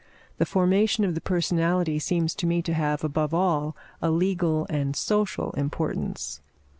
The formation of the personality seems to me to have, above all, a legal and social importance.